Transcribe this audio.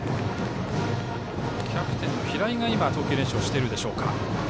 キャプテン、平井が投球練習をしているのでしょうか。